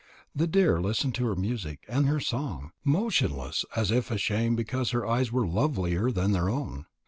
The deer listened to her music and her song, motionless as if ashamed because her eyes were lovelier than their own.